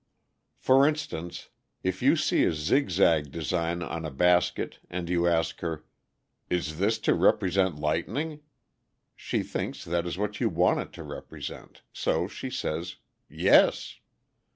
For instance, if you see a zigzag design on a basket and you ask her, "Is this to represent lightning?" she thinks that is what you want it to represent, so she says, "Yes!"